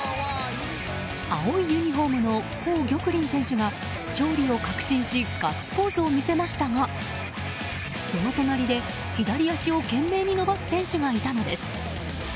青いユニホームのコウ・ギョクリン選手が勝利を確信しガッツポーズを見せましたがその隣で左足を懸命に伸ばす選手がいたのです。